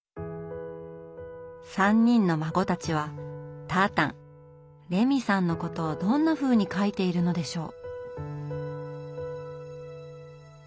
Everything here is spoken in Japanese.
３人の孫たちはたーたんレミさんのことをどんなふうに書いているのでしょう？